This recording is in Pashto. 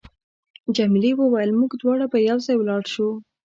جميلې وويل: موږ دواړه به یو ځای ولاړ شو.